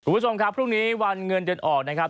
คุณผู้ชมครับพรุ่งนี้วันเงินเดือนออกนะครับ